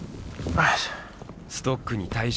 よいしょ。